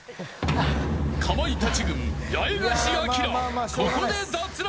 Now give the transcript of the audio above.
かまいたち軍八重樫東、ここで脱落。